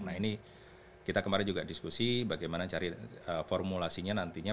nah ini kita kemarin juga diskusi bagaimana cari formulasinya nantinya